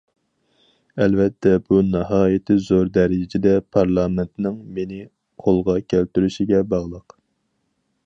ئەلۋەتتە بۇ ناھايىتى زور دەرىجىدە پارلامېنتنىڭ نېمىنى قولغا كەلتۈرۈشىگە باغلىق.